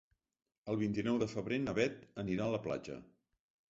El vint-i-nou de febrer na Bet anirà a la platja.